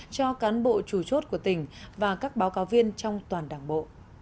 cho cán bộ chủ chốt của tỉnh và các báo cáo viên trong toàn đảng bộ